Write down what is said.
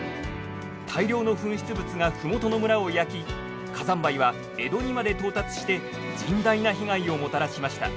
大量の噴出物が麓の村を焼き火山灰は江戸にまで到達して甚大な被害をもたらしました。